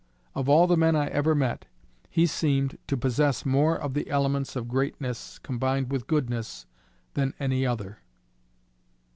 Of all the men I ever met, he seemed to possess more of the elements of greatness, combined with goodness, than any other."